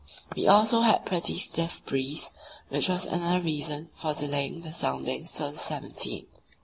We also had a pretty stiff breeze, which was another reason for delaying the soundings until the 17th.